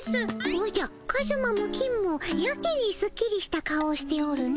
おじゃカズマも金もやけにすっきりした顔をしておるの。